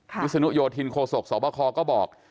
วิศนุโยธินโคศกสบคก็บอก